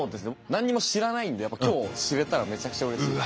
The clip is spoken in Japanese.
何にも知らないんでやっぱ今日知れたらめちゃくちゃうれしいです。